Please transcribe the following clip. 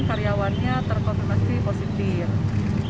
karyawannya terkonfirmasi positif